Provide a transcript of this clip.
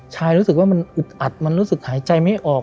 รู้สึกว่ามันอึดอัดมันรู้สึกหายใจไม่ออก